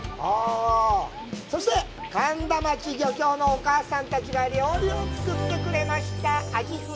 そして、苅田町漁協のお母さんたちが料理を作ってくださいました。